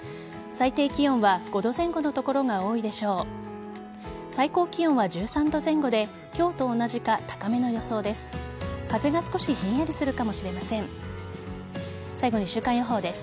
最高気温は１３度前後で今日と同じか高めの予想です。